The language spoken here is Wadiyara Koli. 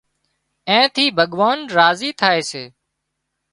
اين ٿِي ڀڳوان راضي ٿائي سي